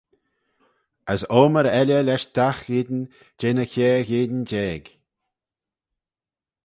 As omer elley lesh dagh eayn jeh ny kiare eayin jeig.